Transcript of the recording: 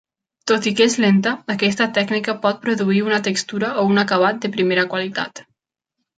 Tot i que és lenta, aquesta tècnica pot produir una textura o un acabat de primera qualitat.